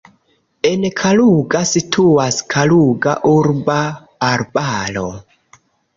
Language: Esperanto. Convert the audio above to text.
En Kaluga situas Kaluga urba arbaro.